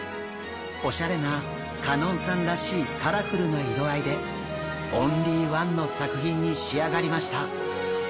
おしゃれな香音さんらしいカラフルな色合いでオンリーワンの作品に仕上がりました。